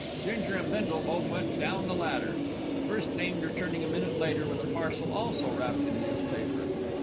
Ginger and Bindle both went down the ladder, the first named returning a minute later with a parcel, also wrapped in newspaper.